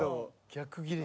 逆ギレや。